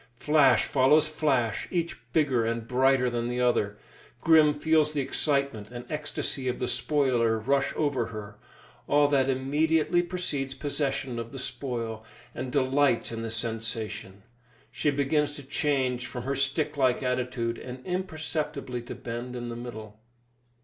Flash follows flash, each bigger and brighter than the other. Grim feels the excitement and ecstasy of the spoiler rush over her all that immediately precedes possession of the spoil and delights in the sensation. She begins to change from her stick like attitude, and imperceptibly to bend in the middle.